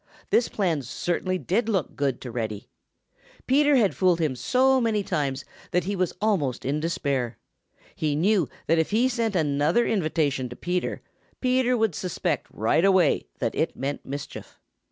This plan certainly did look good to Reddy. Peter had fooled him so many times that he was almost in despair. He knew that if he sent another invitation to Peter, Peter would suspect right away that it meant mischief.